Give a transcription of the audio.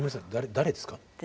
誰ですか？